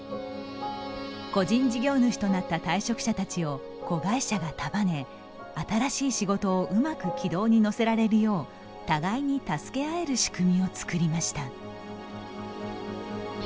個人事業主となった退職者たちを子会社が束ね新しい仕事をうまく軌道に乗せられるよう互いに助け合える仕組みを作りました。